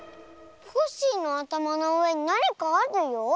コッシーのあたまのうえになにかあるよ。